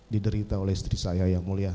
diderita oleh istri saya yang mulia